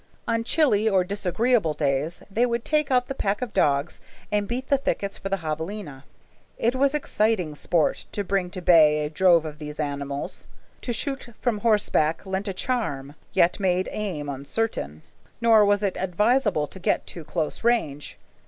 On chilly or disagreeable days they would take out the pack of dogs and beat the thickets for the javeline. It was exciting sport to bring to bay a drove of these animals. To shoot from horseback lent a charm, yet made aim uncertain, nor was it advisable to get too close range.